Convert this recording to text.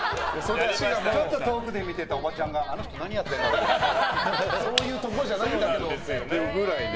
ちょっと遠くで見てたおばちゃんがあの人、何やってるんだろうってそういうとこじゃないんだけどって。